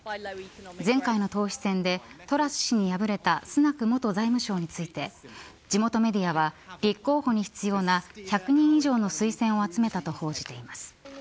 前回の党首選でトラス氏に敗れたスナク元財務相について地元メディアは立候補に必要な１００人以上の推薦を集めたと報じています。